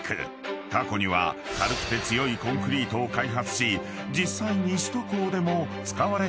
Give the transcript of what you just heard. ［過去には軽くて強いコンクリートを開発し実際に首都高でも使われているんだそう］